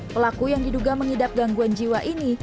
pelaku yang diduga mengidap gangguan jiwa ini